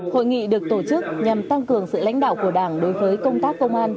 hội nghị được tổ chức nhằm tăng cường sự lãnh đạo của đảng đối với công tác công an